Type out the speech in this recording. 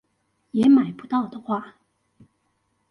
也買不到的話